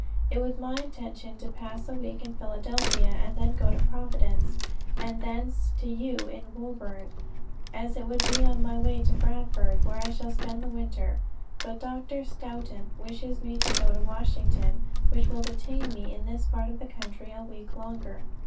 It was my intention to pass a week in Philadelphia and then go to Providence, and thence to you in Woburn, as it would be on my way to Bradford, where I shall spend the winter. But Dr. Stoughton wishes me to go to Washington, which will detain me in this part of the country a week longer.